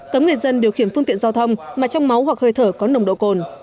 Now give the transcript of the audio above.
cấm người dân điều khiển phương tiện giao thông mà trong máu hoặc hơi thở có nồng độ cồn